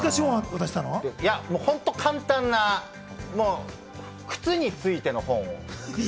いや、本当簡単な靴についての本。